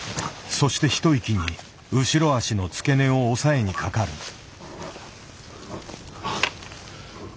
そして一息に後ろ足の付け根を押さえにかかる。